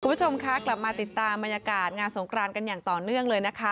คุณผู้ชมคะกลับมาติดตามบรรยากาศงานสงครานกันอย่างต่อเนื่องเลยนะคะ